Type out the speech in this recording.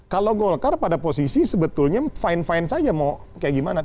kalau golkar pada posisi sebetulnya fine fine saja mau kayak gimana